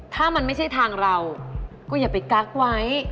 ถ้ามันไม่ใช่ทางเราก็อย่าไปกั๊กไว้